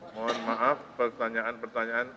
mohon maaf pertanyaan pertanyaan